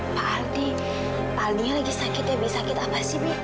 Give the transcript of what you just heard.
pak aldi pak aldinya lagi sakit ya bi sakit apa sih bi